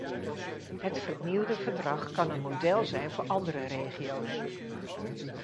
Het vernieuwde verdrag kan een model zijn voor andere regio's.